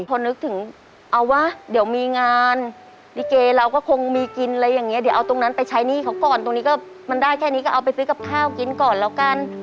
พอนึกถึงเอาวะเดี๋ยวมีงานลิเกเราก็คงมีกินอะไรอย่างเงี้เดี๋ยวเอาตรงนั้นไปใช้หนี้เขาก่อนตรงนี้ก็มันได้แค่นี้ก็เอาไปซื้อกับข้าวกินก่อนแล้วกัน